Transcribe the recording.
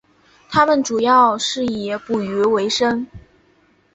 他们主要是以捕鱼维生。